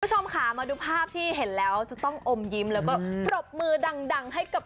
คุณผู้ชมค่ะมาดูภาพที่เห็นแล้วจะต้องอมยิ้มแล้วก็ปรบมือดังให้กับ